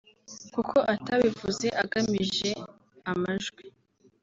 kuko atabivuze agamije amajwi